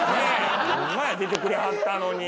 出てくれはったのに。